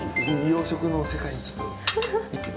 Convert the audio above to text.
洋食の世界に。